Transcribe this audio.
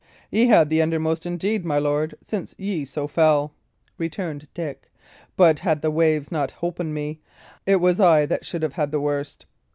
"Ye had the undermost indeed, my lord, since ye so fell," returned Dick; "but had the waves not holpen me, it was I that should have had the worst.